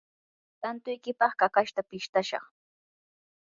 santuykipaq kakashta pistashaq.